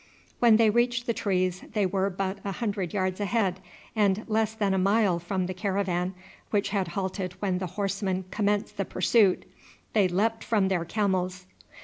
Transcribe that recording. When they reached the trees they were but a hundred yards ahead and less than a mile from the caravan, which had halted when the horsemen commenced the pursuit. They leapt from their camels.